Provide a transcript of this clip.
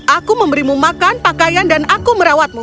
aku memberimu makan pakaian dan aku merawatmu